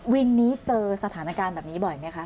วินนี้เจอสถานการณ์แบบนี้บ่อยไหมคะ